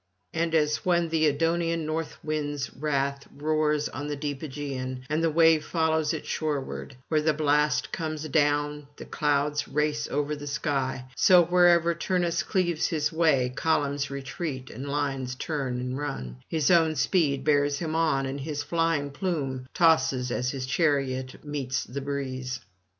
And as when [365 398]the Edonian North wind's wrath roars on the deep Aegean, and the wave follows it shoreward; where the blast comes down, the clouds race over the sky; so, wheresoever Turnus cleaves his way, columns retreat and lines turn and run; his own speed bears him on, and his flying plume tosses as his chariot meets the breeze.